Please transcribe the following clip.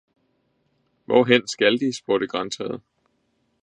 Hvorhen skal de? spurgte grantræet.